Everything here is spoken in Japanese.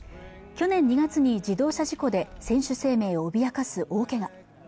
去年２月に自動車事故で選手生命を脅かす大怪我